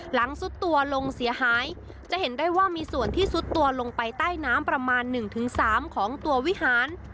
ซุดตัวลงเสียหายจะเห็นได้ว่ามีส่วนที่ซุดตัวลงไปใต้น้ำประมาณ๑๓ของตัววิหาร